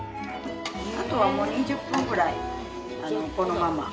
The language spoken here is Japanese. あとはもう２０分くらいこのまま。